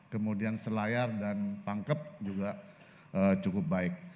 kemudian selayar dan pangkep juga cukup baik